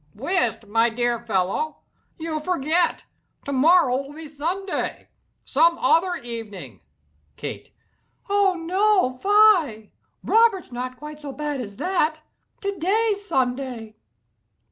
"Wist, my dear fellow—you forget. To morrow will be Sunday. Some other evening—" KATE. "Oh, no, fie!—Robert's not quite so bad as that. To day's Sunday."